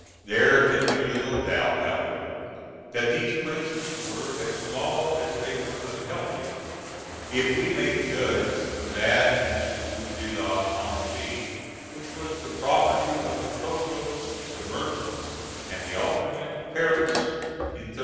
There can be little doubt, however, that these prisons were as small as they were unhealthy, if we may judge from that in the Rue de la Tannerie, which was the property of the provost, the merchants, and the aldermen of Paris in 1383.